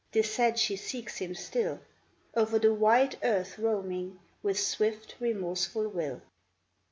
'Tis said she seeks Him still, Over the wide earth roaming With swift, remorseful will.